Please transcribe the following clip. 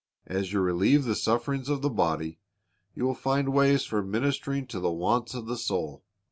As you relieve the sufferings of the body, you will find ways for ministering to the wants of the soul.